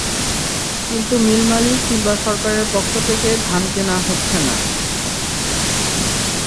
কিন্তু মিল মালিক কিংবা সরকারের পক্ষ থেকে ধান কেনা হচ্ছে না।